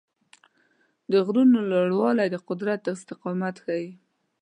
د غرونو لوړوالی د قدرت استقامت ښيي.